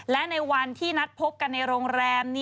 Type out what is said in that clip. และในวันที่นัดพบกันในโรงแรม